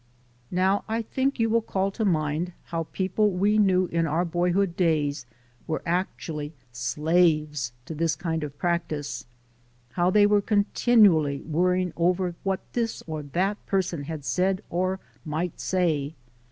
Now I think you will call to mind how people we knew in our boyhood days were actually slaves to this kind of practice; how they were continually worrying over what this or that person had said or might say.